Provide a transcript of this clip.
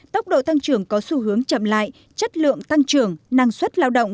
tốc độ tăng trường có xu hướng chậm lại chất lượng tăng trường năng suất lao động